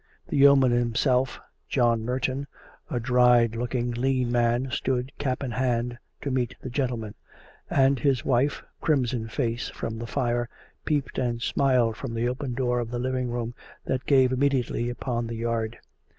The yeoman himself, John Merton, a dried looking, lean man, stood cap in hand to meet the gentlemen; and his wife, crimson faced from the fire, peeped and smiled from the open door of the living room that gave immediately upon the yard.